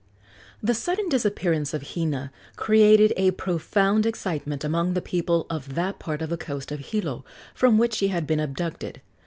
The sudden disappearance of Hina created a profound excitement among the people of that part of the coast of Hilo from which she had been abducted.